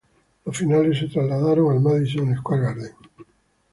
Las finales se trasladaron al Madison Square Garden.